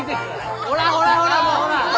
ほらほらほらもうほら。